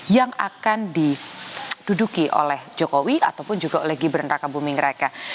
yang akan diduduki oleh jokowi ataupun juga oleh gibran raka buming raka